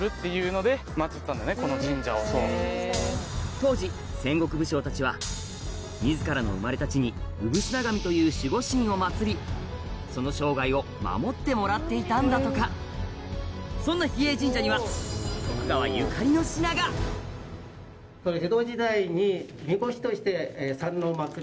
当時戦国武将たちは自らの生まれた地に産土神という守護神を祀りその生涯を守ってもらっていたんだとかそんな日枝神社にはこれは。